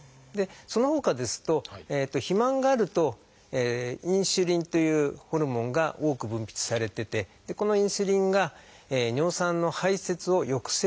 そのほかですと肥満があるとインスリンというホルモンが多く分泌されててこのインスリンが尿酸の排せつを抑制するんですね。